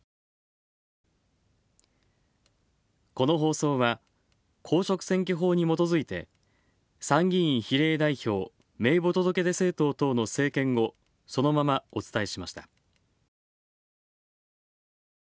この放送は、公職選挙法にもとづいて参議院比例代表名簿届出政党等の政見をそのままお伝えしました。